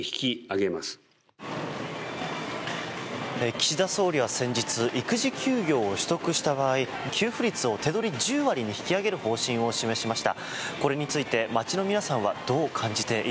岸田総理は先日、育児休暇を取得した場合給付率を手取り１０割に引き上げる方針を示しました。